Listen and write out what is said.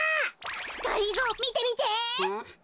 がりぞーみてみて！